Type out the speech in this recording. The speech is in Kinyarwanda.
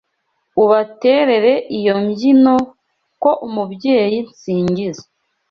Ubaterere iyo mbyino Ko Umubyeyi nsingiza